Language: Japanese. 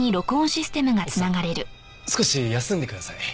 奥さん少し休んでください。